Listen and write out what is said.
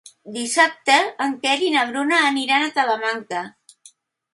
Dissabte en Quer i na Bruna aniran a Talamanca.